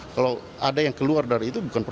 kalau ada yang mengatakan kita harus berpikir